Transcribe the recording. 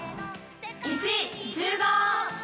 １１５！